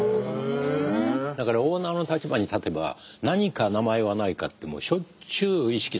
だからオーナーの立場に立てば何か名前はないかってしょっちゅう意識されているんですよ。